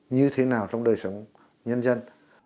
như thế nào trong đời sống nhân dân